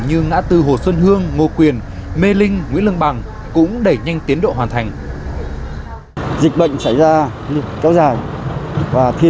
như ngã tư hồ xuân hương ngô quyền mê linh nguyễn lương bằng cũng đẩy nhanh tiến độ hoàn thành